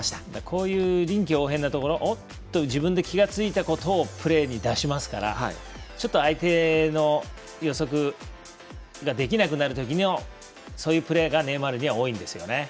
こういう臨機応変なところ自分で気付いたことをプレーに出しますから相手の予測ができなくなる時のそういうプレーがネイマールには多いんですよね。